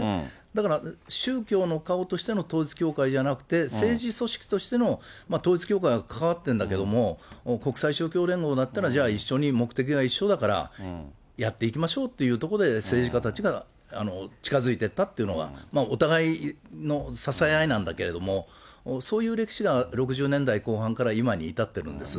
だから、宗教の顔としての統一教会じゃなくて、政治組織としての、統一教会に関わってるんだけれども、国際勝共連合だったら、じゃあ一緒に、目的が一緒だからやっていきましょうっていうところで、政治家たちが近づいていったというのが、お互いの支え合いなんだけれども、そういう歴史が６０年代後半から今に至ってるんです。